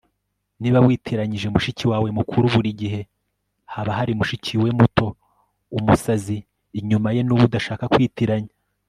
niba witiranyije mushiki wawe mukuru, buri gihe haba hari mushiki we muto, umusazi inyuma ye nuwo udashaka kwitiranya